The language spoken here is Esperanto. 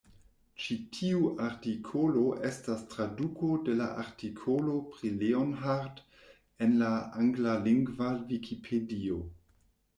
Ĉi tiu artikolo estas traduko de la artikolo pri Leonhard en la anglalingva Vikipedio.